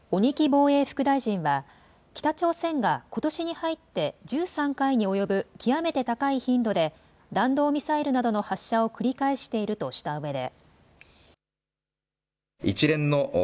防衛副大臣は北朝鮮がことしに入って１３回に及ぶ極めて高い頻度で弾道ミサイルなどの発射を繰り返しているとしたうえで。